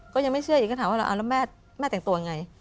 ก็ยังไม่เชื่ออีกก็ถามว่าแล้วแม่แต่งตัวยังไง